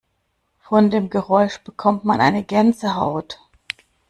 Von dem Geräusch bekommt man eine Gänsehaut.